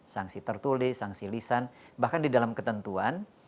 sanksi tertulis sanksi lisan bahkan di dalam ketentuan